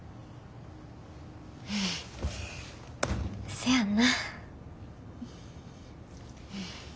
せやんな。